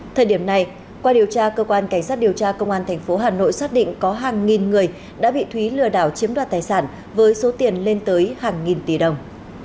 thời điểm này qua điều tra cơ quan cảnh sát điều tra công an tp hà nội xác định có hàng nghìn người đã bị thúy lừa đảo chiếm đoạt tài sản với số tiền lên tới hàng nghìn tỷ đồng